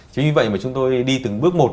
chứ như vậy mà chúng tôi đi từng bước một